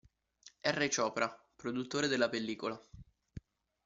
R. Chopra, produttore della pellicola.